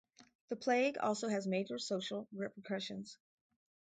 The plague also has major social repercussions.